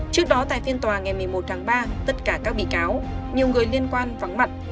trước đó tại phiên tòa ngày một mươi một tháng ba tất cả các bị cáo nhiều người liên quan vắng mặt